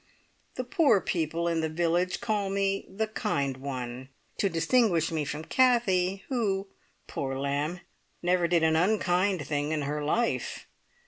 The poor people in the village call me "the kind one," to distinguish me from Kathie, who, poor lamb! never did an unkind thing in her life.